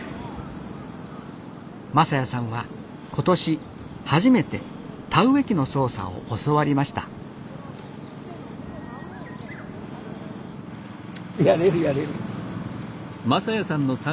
昌哉さんは今年初めて田植え機の操作を教わりましたやれるやれる。